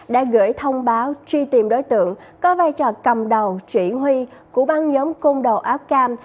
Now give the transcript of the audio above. đã gửi thông báo truy tìm đối tượng có vai trò cầm đầu truy huy của băng nhóm công đầu áo cam